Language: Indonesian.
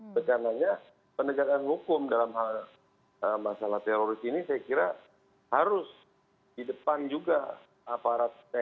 karena penegakan hukum dalam hal masalah teroris ini saya kira harus di depan juga aparat tni